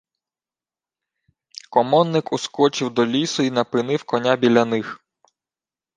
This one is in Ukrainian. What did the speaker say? Комонник ускочив до лісу й напинив коня біля них.